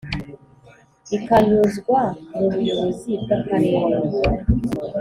ikanyuzwa mu buyobozi bw akarere